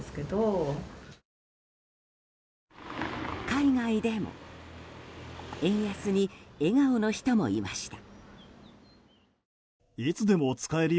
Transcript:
海外でも円安に笑顔の人もいました。